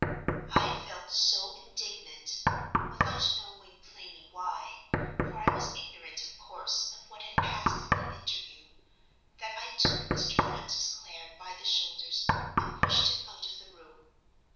"I felt so indignant—without knowing plainly why, for I was ignorant, of course, of what had passed at the interview—that I took Mr. Francis Clare by the shoulders and pushed him out of the room.